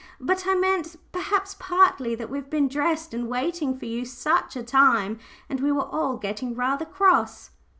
But I meant, perhaps, partly that we've been dressed and waiting for you such a time, and we were all getting rather cross."